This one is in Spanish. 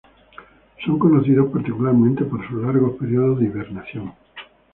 Son conocidos particularmente por sus largos periodos de hibernación.